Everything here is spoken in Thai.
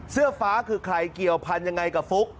เสื้อฟ้าคือใครเกี่ยวพันธุ์ยังไงกับฟุ๊ก